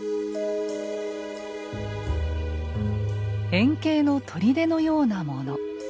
円形の砦のようなもの。